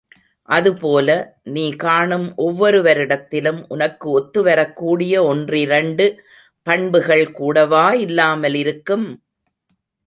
அது போல, நீ காணும் ஒவ்வொருவரிடத்திலும் உனக்கு ஒத்துவரக்கூடிய ஒன்றிரண்டு பண்புகள் கூடவா இல்லாமல் இருக்கும்!